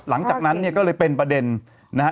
หลังจากนั้นเนี่ยก็เลยเป็นประเด็นนะฮะ